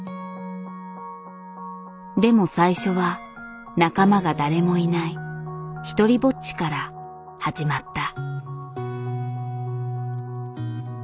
でも最初は仲間が誰もいない独りぼっちから始まった。